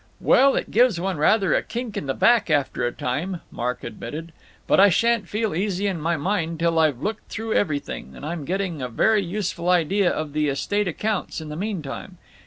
"Well, it gives one rather a kink in the back after a time," Mark admitted. "But I shan't feel easy in my mind till I've looked through everything, and I'm getting a very useful idea of the estate accounts in the meantime.